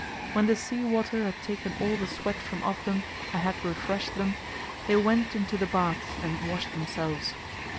When the sea water had taken all the sweat from off them, and had refreshed them, they went into the baths and washed themselves.